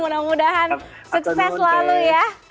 mudah mudahan sukses selalu ya